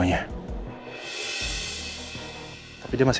rena mau ketemu sama om baik